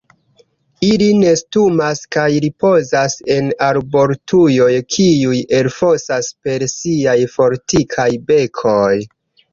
Ili nestumas kaj ripozas en arbotruoj kiuj elfosas per siaj fortikaj bekoj.